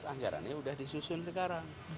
anggarannya sudah disusun sekarang